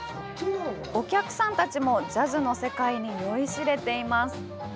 お客さんたちもジャズの世界に酔いしれています。